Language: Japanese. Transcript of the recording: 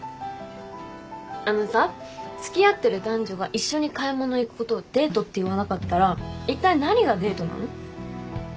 あのさ付き合ってる男女が一緒に買い物行くことをデートって言わなかったらいったい何がデートなの？